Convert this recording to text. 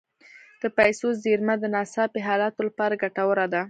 د پیسو زیرمه د ناڅاپي حالاتو لپاره ګټوره ده.